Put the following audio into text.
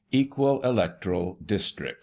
Equal Electoral Districts.